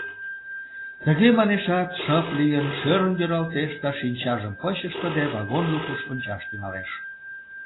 Тыге манешат, шып лийын, шӧрын йӧралтеш да, шинчажым пыч ыштыде, вагон лукыш ончаш тӱҥалеш.